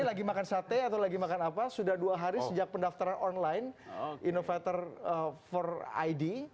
lagi makan sate atau lagi makan apa sudah dua hari sejak pendaftaran online innovator for id